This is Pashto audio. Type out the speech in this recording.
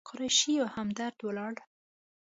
قریشي او همدرد ولاړل.